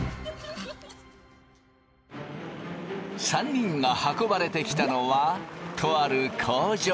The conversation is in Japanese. ３人が運ばれてきたのはとある工場。